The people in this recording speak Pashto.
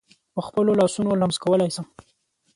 په خپلو لاسونو لمس کولای شم.